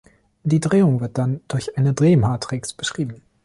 Die Drehung wird dann durch eine Drehmatrix beschrieben.